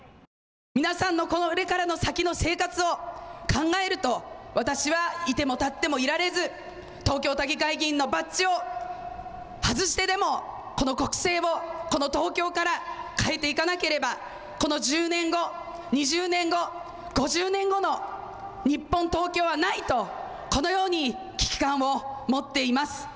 皆さんのこれからの先の生活を考えると私はいてもたってもいられず東京都議会議員のバッジを外してでも、この国政をこの東京から変えていかなければ、この１０年後、２０年後５０年後の日本、東京はないとこのように危機感を持っています。